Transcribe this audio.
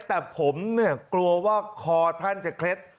แต่ผมเนี่ยกลัวว่าคอท่านจะเคล็ด